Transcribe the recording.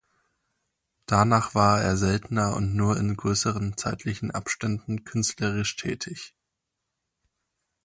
Danach war er seltener und nur in größeren zeitlichen Abständen künstlerisch tätig.